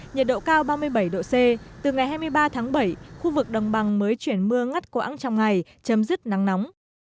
nhiệt độ cao ba mươi bảy độ c từ ngày hai mươi ba tháng bảy khu vực đồng bằng mới chuyển mưa ngắt quãng trong ngày chấm dứt nắng nóng